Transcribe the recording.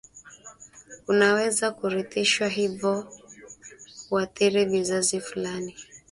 Unaweza kurithishwa hivyo huathiri vizazi fulani